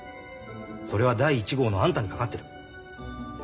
それは第一号のあんたにかかってる。